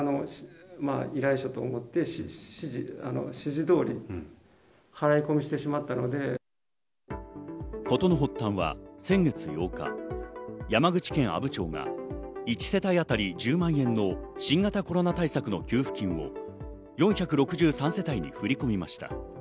事の発端は先月８日、山口県阿武町が１世帯当たり１０万円の新型コロナ対策の給付金を４６３世帯に振り込みました。